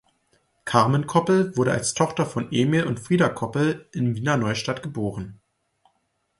Carmen Koppel wurde als Tochter von Emil und Frieda Koppel in Wiener Neustadt geboren.